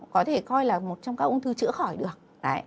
có thể coi là một trong các ung thư chữa khỏi được